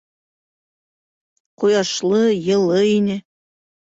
Ҡояшлы, йылы ине.